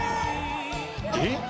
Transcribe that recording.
えっ？